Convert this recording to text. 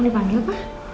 belum dipanggil pak